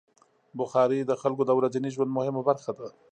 بخاري د خلکو د ورځني ژوند مهمه برخه ده.